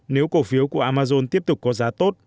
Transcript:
nếu cổ phiếu của amazon tiếp tục có giá tốt